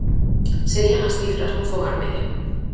Serían as cifras nun fogar medio.